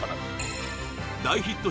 大ヒット